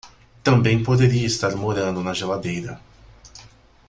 Também poderia estar morando na geladeira.